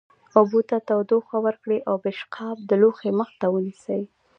اوبو ته تودوخه ورکړئ او پیشقاب د لوښي مخ ته ونیسئ.